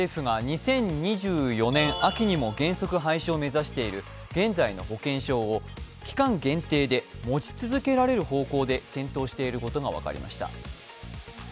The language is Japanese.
政府が２０２４年秋にも原則廃止を目指している現在の保険証を期間限定で持ち続けられる方向で検討していることが分かりました。